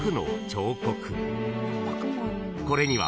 ［これには］